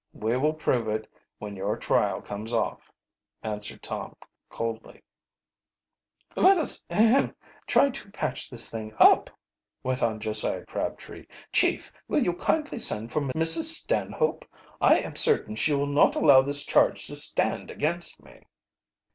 "We will prove it when your trial comes off," answered Tom coolly. "Let us ahem try to patch this thing up," went on Josiah Crabtree. "Chief, will you kindly send for Mrs. Stanhope? I am certain she will not allow this charge to stand against me."